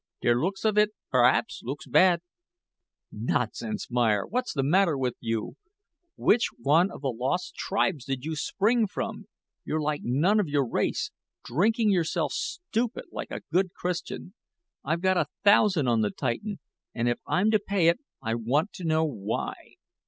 "Der looks of it, berhaps looks pad." "Nonsense, Meyer, what's the matter with you? Which one of the lost tribes did you spring from you're like none of your race drinking yourself stupid like a good Christian. I've got a thousand on the Titan, and if I'm to pay it I want to know why.